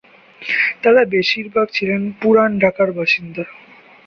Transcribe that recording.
তারা বেশির ভাগ ছিলেন পুরান ঢাকার বাসিন্দা।